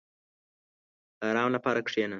• د آرام لپاره کښېنه.